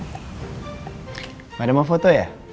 gak ada mau foto ya